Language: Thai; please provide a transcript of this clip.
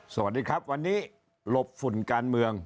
สวัสดีครับวันนี้หลบฝุ่นการเมือง